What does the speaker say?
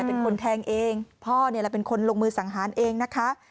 พ่อเป็นคนแทงเองพ่อเป็นคนลงมือสังหารเองนะคะ